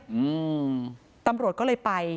อืมตำรวจก็เลยไป